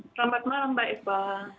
selamat malam mbak eva